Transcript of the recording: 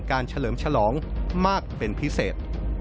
เฉลิมฉลองมากเป็นพิเศษ